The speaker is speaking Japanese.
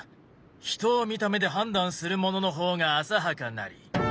人を見た目で判断する者の方が浅はかなり。